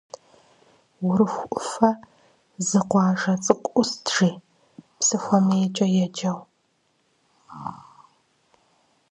Урыху ӏуфэ зы къуажэ цӏыкӏу ӏуст, жи, Псысэхуэмейкӏэ еджэу.